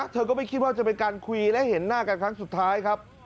เธอก็ไม่คิดว่าจะเป็นการคุยและเห็นหน้ากันครั้งสุดท้ายครับ